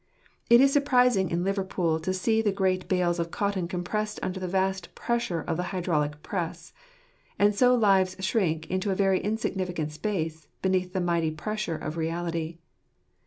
It is surprising in Liverpool to see the great bales of cotton compressed under the vast pressure of the hydraulic press ; and so lives shrink into a very insignificant space, beneath the mighty pressure of reality.